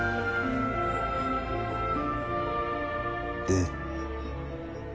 で